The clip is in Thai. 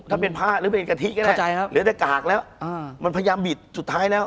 ถ้าเป็นผ้าหรือเป็นกะทิก็ได้หรือแต่กากแล้วมันพยายามบิดสุดท้ายแล้ว